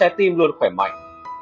để giữ trái tim luôn khỏe mạnh